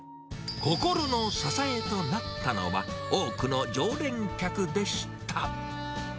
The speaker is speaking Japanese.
心の支えとなったのは、多くの常連客でした。